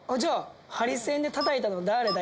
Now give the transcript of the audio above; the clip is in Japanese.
「ハリセンでたたいたのだーれだ？」